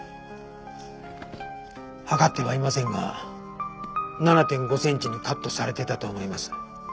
測ってはいませんが７．５センチにカットされてたと思います。